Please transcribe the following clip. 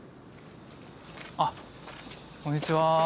あこんにちは。